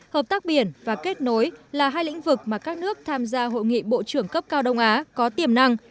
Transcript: hợp tác biển và kết nối là hai lĩnh vực mà các nước tham gia hội nghị bộ trưởng cấp cao đông á có tiềm năng